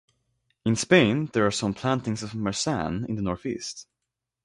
In Spain there are some plantings of Marsanne in the northeast.